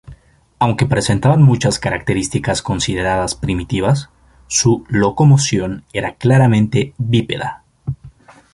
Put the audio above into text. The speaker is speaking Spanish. Aunque presentaban muchas características consideradas primitivas, su locomoción era claramente bípeda.